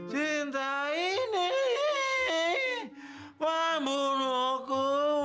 cinta ini memburuku